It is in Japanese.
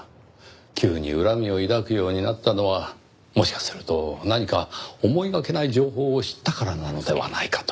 急に恨みを抱くようになったのはもしかすると何か思いがけない情報を知ったからなのではないかと。